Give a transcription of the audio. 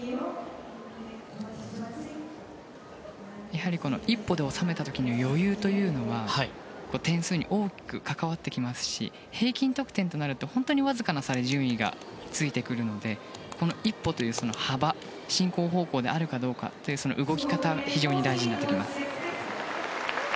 やはり１歩で収めた時の余裕というのは点数に大きく関わってきますし平均得点となると本当にわずかな差で順位がついてくるので１歩という幅進行方向であるかどうかという動き方が非常に大事になってきます。